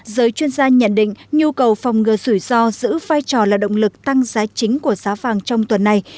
giới chuyên gia nhận định nhu cầu phòng ngừa rủi ro giữ vai trò là động lực tăng giá chính của giá vàng trong tuần này